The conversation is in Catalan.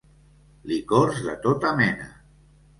Licors de tota mena.